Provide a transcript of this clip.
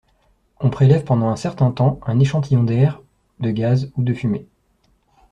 On prélève pendant un certain temps un échantillon d’air, de gaz ou de fumée.